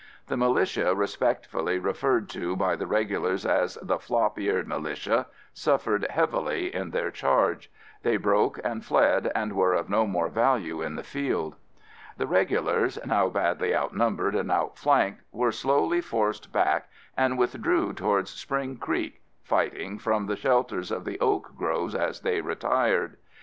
The militia, respectfully referred to by the regulars as the "flop eared militia," suffered heavily in their charge. They broke and fled and were of no more value in the field. The regulars, now badly outnumbered and outflanked, were slowly forced back and withdrew towards Spring Creek, fighting from the shelters of the oak groves as they retired.